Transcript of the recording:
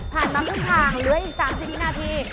ผ่านมาครึ่งทางเหลืออีก๓๐วินาที